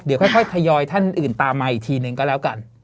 เดี๋ยวค่อยทยอยท่านอื่นตามมาอีกทีนึงก็แล้วกัน